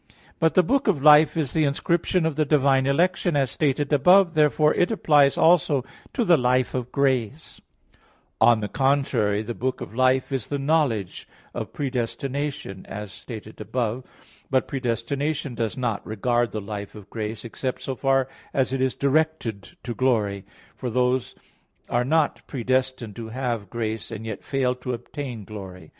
But the book of life is the inscription of the divine election, as stated above (A. 1). Therefore it applies also to the life of grace. On the contrary, The book of life is the knowledge of predestination, as stated above (ibid.). But predestination does not regard the life of grace, except so far as it is directed to glory; for those are not predestined who have grace and yet fail to obtain glory.